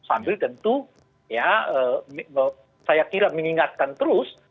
sambil tentu ya saya kira mengingatkan terus